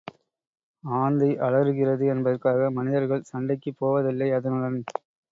ஆந்தை அலறுகிறது என்பதற்காக மனிதர்கள் சண்டைக்குப் போவதில்லை அதனுடன்.